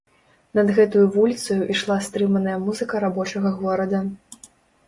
Над гэтаю вуліцаю ішла стрыманая музыка рабочага горада.